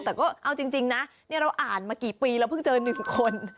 แต่ก็เอาจริงนะเราอ่านมากี่ปีเราเพิ่งเจอ๑คน